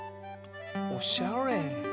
おしゃれ！